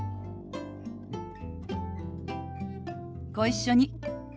ご一緒に。